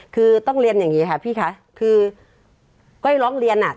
คือต้องเรียนอย่างนี้ค่ะพี่คะคือก้อยร้องเรียนอ่ะ